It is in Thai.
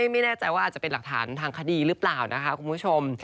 ไม่แน่ใจว่าอาจจะเป็นหลักฐานทางคดีหรือเปล่านะคะคุณผู้ชม